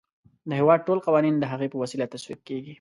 د هیواد ټول قوانین د هغې په وسیله تصویب کیږي.